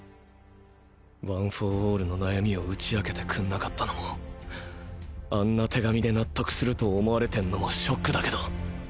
ワン・フォー・オールの悩みを打ち明けてくんなかったのもあんな手紙で納得すると思われてんのもショックだけど。